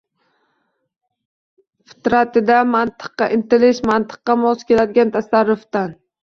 Fitratida mantiqqa intilish, mantiqqa mos keladigan tasarrufdan